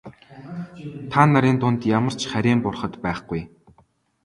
Та нарын дунд ямар ч харийн бурхад байхгүй.